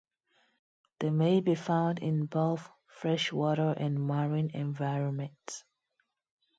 They may be found in both freshwater and marine environments.